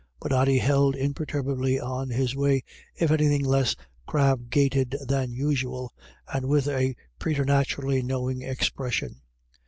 " But Ody held imperturbably on his way, if anything less crab gaited than usual, and with a preternaturally knowing expression.